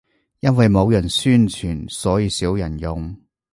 因為冇人宣傳，所以少人用